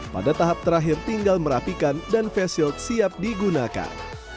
pada tahap terakhir tinggal merapikan dan face shield siap digunakan